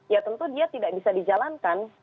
ya tentu dia tidak bisa dijalankan